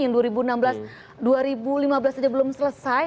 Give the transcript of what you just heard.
yang dua ribu enam belas dua ribu lima belas aja belum selesai